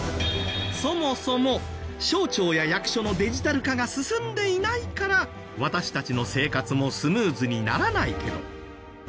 そもそも省庁や役所のデジタル化が進んでいないから私たちの生活もスムーズにならないけど。